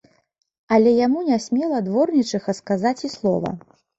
Але яму не смела дворнічыха сказаць і слова.